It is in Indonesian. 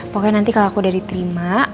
pokoknya nanti kalau aku udah diterima